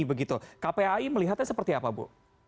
begitu kpai melihatnya seperti apa bu